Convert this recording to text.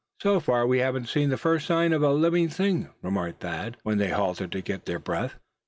"So far we haven't seen the first sign of a living thing?" remarked Thad, when they halted to get their breath.